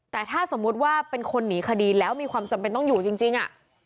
แต่ถ้าสมมุติว่าเป็นคนหนีคดีแล้วมีความจำเป็นต้องอยู่จริง